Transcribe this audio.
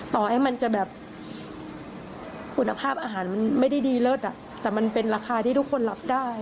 ต่อให้มันจะแบบคุณภาพอาหารมันไม่ได้ดีเลิศแต่มันเป็นราคาที่ทุกคนรับได้